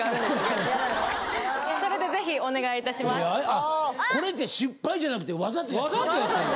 あれあこれって失敗じゃなくてワザとやってんの？